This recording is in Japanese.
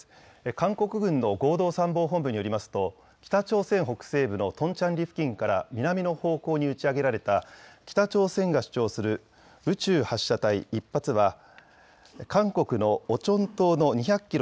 韓国軍の合同参謀本部によりますと、北朝鮮北西部のトンチャンリ付近から南の方向に打ち上げられた北朝鮮が主張する宇宙発射体１発は、韓国のオチョン島の２００キロ